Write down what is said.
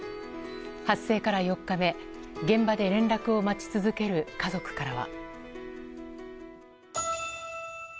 発生から４日目現場で連絡を待ち続ける家族からは。